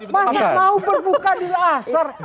masa mau berbuka di dasar